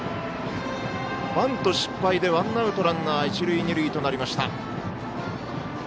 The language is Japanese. バント失敗でワンアウトランナー、一塁二塁となりました。